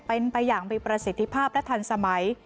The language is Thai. เป็นไปอย่างมีประสิทธิภาพและทันสมัย